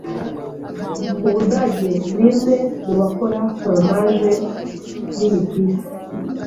Ubudage nimwe mubakora foromaje nini kwisi.